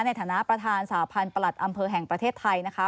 ในฐานะประธานสาพันธ์ประหลัดอำเภอแห่งประเทศไทยนะคะ